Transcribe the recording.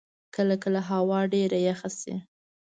کله کله هوا ډېره یخه شی.